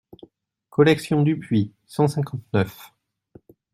Collection Dupuis, cent cinquante-neuf.